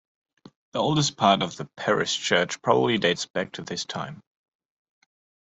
The oldest part of the parish church probably dates back to this time.